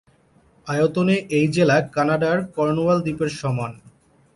আয়তনে এই জেলা কানাডার কর্নওয়াল দ্বীপের সমান।